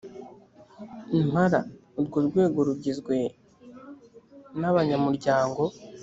impala urwo rwego rugizwe n abanyamuryango